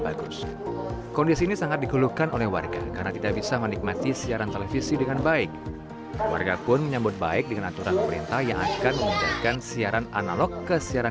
tentu kami senang sekali kalau seperti itu mungkinan besar mungkin siarannya jadi bersih